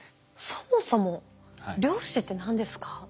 そもそも量子って何ですか？